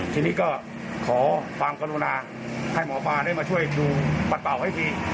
ทีนี้ก็ขอฟังกรุณาให้หมอฟ้าได้มาช่วยดูบัตรเปล่าให้ดี